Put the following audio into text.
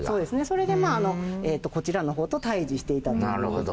それでこちらの方と対峙していたという。